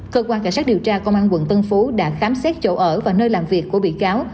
cơ quan cảnh sát điều tra công an quận tân phú đã khám xét chỗ ở và nơi làm việc của bị cáo